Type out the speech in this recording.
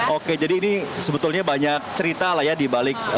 oke jadi ini sebetulnya banyak cerita lah ya dibalik